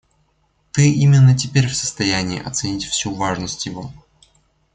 Ты именно теперь в состоянии оценить всю важность его.